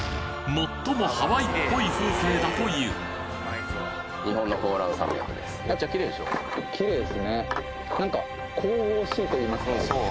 最もハワイっぽい風景だといううんそう。